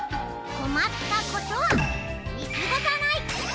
こまったことはみすごさない！